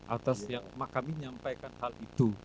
atas yang kami nyampaikan hal itu